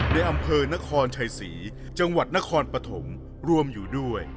ในอำเภอนครชัยศรีจังหวัดนครปฐมรวมอยู่ด้วย